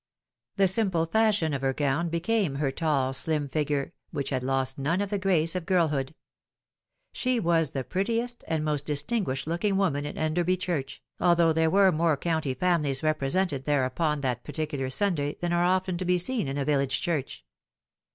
The simple fashion of her gown became her tall, slim figure, which had lost none of the grace of girlhood. She was the prettiest and most distinguished looking woman in Enderby Church, although there were more county families represented there upon that particular Sunday than are often to be seen in a village church.